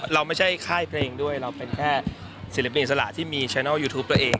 เราไม่ใช่ค่ายเพลงด้วยเราเป็นแค่ศิลปินอิสระที่มีแชนัลยูทูปตัวเอง